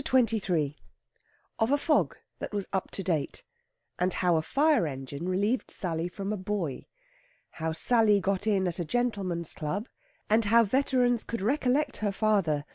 CHAPTER XXIII OF A FOG THAT WAS UP TO DATE, AND HOW A FIRE ENGINE RELIEVED SALLY FROM A BOY. HOW SALLY GOT IN AT A GENTLEMEN'S CLUB, AND HOW VETERANS COULD RECOLLECT HER FATHER.